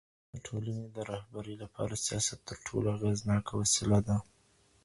د ټولني د رهبرۍ لپاره سياست تر ټولو اغېزناکه وسيله ده.